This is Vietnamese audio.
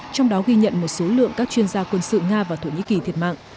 trong đó ghi nhận một số lượng các chuyên gia quân sự nga và thổ nhĩ kỳ thiệt mạng